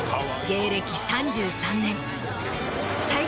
芸歴３３年。